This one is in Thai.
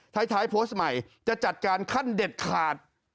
ท้ายโพสต์ใหม่จะจัดการขั้นเด็ดขาด